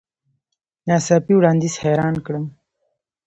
نا څاپي وړاندیز حیران کړم .